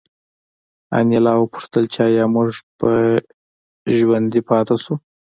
انیلا وپوښتل چې ایا موږ به ژوندي پاتې شو